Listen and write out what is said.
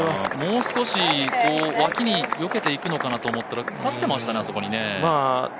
もう少し脇によけていくのかなと思ったら立ってましたね、あそこにね。